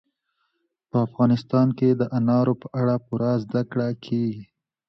په افغانستان کې د انارو په اړه پوره زده کړه کېږي.